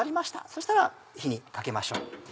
そうしたら火にかけましょう。